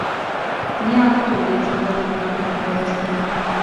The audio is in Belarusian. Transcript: Не адтуль ідзе галоўная пагроза.